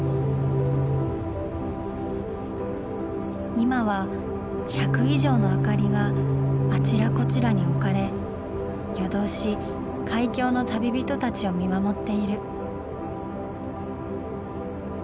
今は１００以上の明かりがあちらこちらに置かれ夜通し海峡の旅人たちを見守っている。